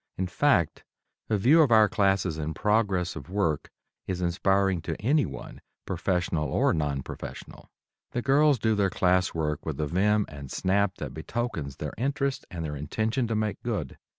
In fact, a view of our classes in progress of work is inspiring to anyone, professional or non professional. The girls do their class work with a vim and snap that betokens their interest and their intention to make good.